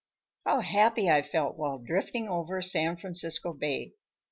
How happy I felt while drifting over San Francisco Bay!